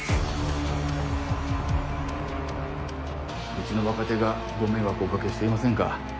ウチの若手がご迷惑をおかけしていませんか？